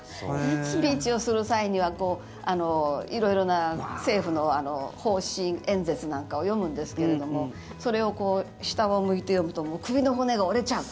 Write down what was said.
スピーチをする際には色々な政府の方針演説なんかを読むんですけれどもそれを下を向いて読むともう首の骨が折れちゃう。